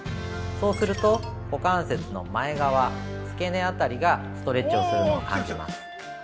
そうすると、股関節の前側、付け根辺りがストレッチをするのを感じます。